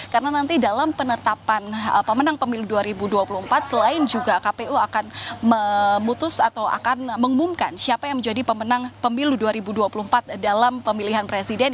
karena nanti dalam penetapan pemenang pemilu dua ribu dua puluh empat selain juga kpu akan memutus atau akan mengumumkan siapa yang menjadi pemenang pemilu dua ribu dua puluh empat dalam pemilihan presiden